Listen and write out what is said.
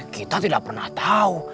kita tidak pernah tahu